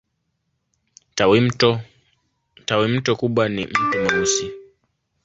Tawimto kubwa ni Mto Mweusi.